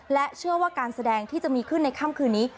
และเชื่อว่าการแสดงที่จะมีขึ้นในค่ำคืนนี้